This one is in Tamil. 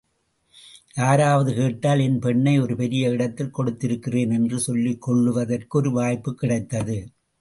யாராவது கேட்டால் என் பெண்ணை ஒரு பெரிய இடத்தில் கொடுத்திருக்கிறேன் என்று சொல்லிக்கொள்வதற்கு ஒரு வாய்ப்புக் கிடைத்தது.